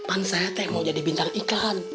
aku mau jadi bintang iklan